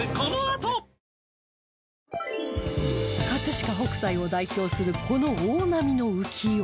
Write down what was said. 飾北斎を代表するこの大波の浮世絵